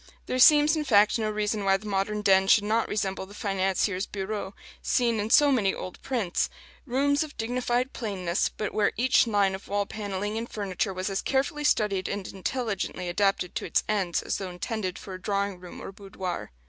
There seems, in fact, no reason why the modern den should not resemble the financiers' bureaux seen in so many old prints: rooms of dignified plainness, but where each line of wall panelling and furniture was as carefully studied and intelligently adapted to its ends as though intended for a drawing room or boudoir.